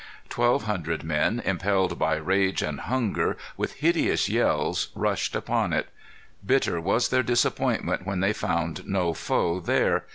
Twelve hundred men, impelled by rage and hunger, with hideous yells rushed upon it. Bitter was their disappointment when they found no foe there.